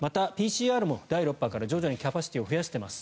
またＰＣＲも第６波から徐々にキャパシティーを増やしています